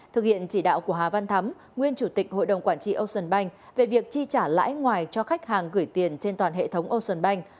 thực hiện chỉ đạo của hà văn thắm nguyên chủ tịch hội đồng quản trị ocean bank về việc chi trả lãi ngoài cho khách hàng gửi tiền trên toàn hệ thống ocean bank